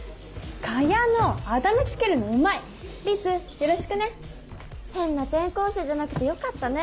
茅野あだ名つけるのうまい律よろしくね変な転校生じゃなくてよかったね